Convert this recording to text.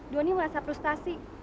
doni merasa frustasi